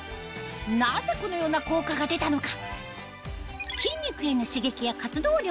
なぜこのような効果が出たのか？